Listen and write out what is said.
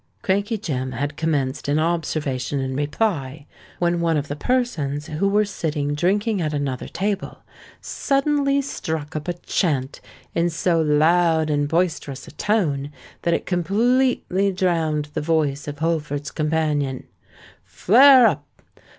Crankey Jem had commenced an observation in reply, when one of the persons who were sitting drinking at another table, suddenly struck up a chant in so loud and boisterous a tone that it completely drowned the voice of Holford's companion:— FLARE UP.